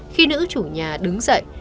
khi nữ chủ nhà đứng dậy